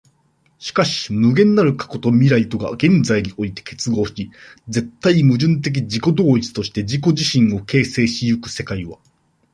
しかし無限なる過去と未来とが現在において結合し、絶対矛盾的自己同一として自己自身を形成し行く世界は、